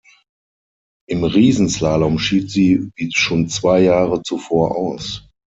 Im Riesenslalom schied sie wie schon zwei Jahre zuvor aus.